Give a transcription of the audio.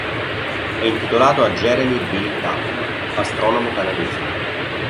È intitolato a Jeremy B. Tatum, astronomo canadese.